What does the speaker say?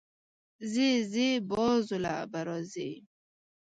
ځې ځې، بازو له به راځې